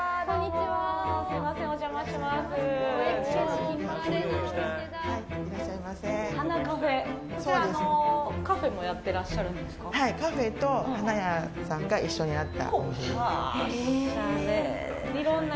はい、カフェと花屋さんが一緒になった。